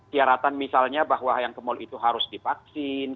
syaratan misalnya bahwa yang ke mal itu harus divaksin